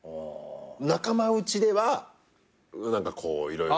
仲間内では何かこう色々。